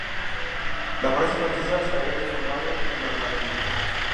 La frase francesa se habría deformado en "marmalade".